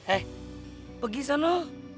eh pergi sana